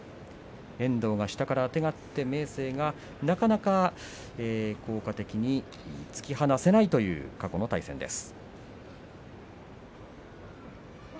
遠藤が下からあてがって明生がなかなか効果的に突き放せないという過去の対戦です。